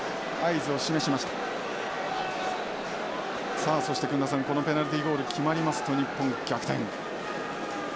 さあそして薫田さんこのペナルティーゴール決まりますと日本逆転。